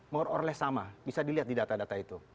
more or less sama bisa dilihat di data data itu